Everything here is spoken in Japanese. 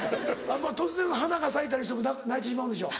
突然花が咲いたりしても泣いてしまうんでしょ？